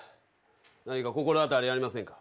何か心当たりありませんか？